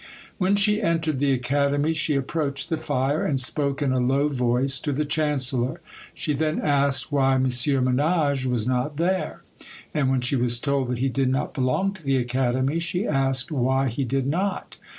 When she entered the Academy she approached the fire, and spoke in a low voice to the chancellor. She then asked why M. Menage was not there? and when she was told that he did not belong to the Academy, she asked why he did not?